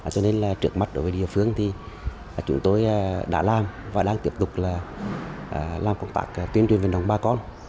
cho nên trước mắt đối với địa phương chúng tôi đã làm và đang tiếp tục làm công tác tuyên truyền vận động ba con